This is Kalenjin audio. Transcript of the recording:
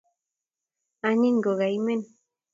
anyiny kokaimen